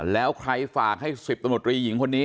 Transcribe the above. แล้วใครฝากให้๑๐ตำรวจรีหญิงคนนี้